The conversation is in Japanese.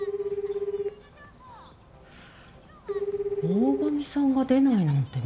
大神さんが出ないなんて珍しい。